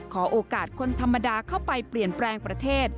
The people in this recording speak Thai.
ขอโอกาสคนธรรมดาเข้าไปเปลี่ยนแปลงประเทศ